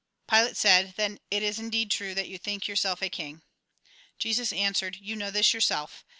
Pilate said :" Then it is indeed true that you think yourself a king ?" Jesus answered :" You know this yourself.